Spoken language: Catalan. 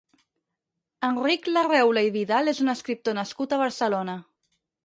Enric Larreula i Vidal és un escriptor nascut a Barcelona.